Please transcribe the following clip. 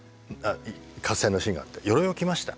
合戦のシーンがあって鎧を着ました。